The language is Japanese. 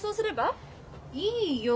いいよ。